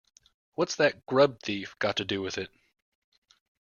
What's that grub-thief got to do with it.